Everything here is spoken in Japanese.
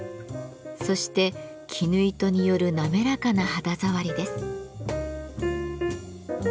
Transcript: そして絹糸による滑らかな肌触りです。